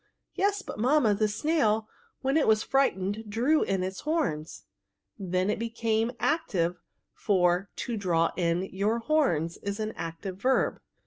" Yes, but mamma, the snail, when it was frightened, drew in its horns." '* Then it became active, for to draw in your horns is an active verb."